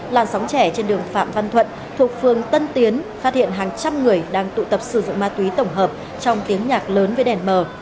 làn sóng trẻ trên đường phạm văn thuận thuộc phường tân tiến phát hiện hàng trăm người đang tụ tập sử dụng ma túy tổng hợp trong tiếng nhạc lớn với đèn mờ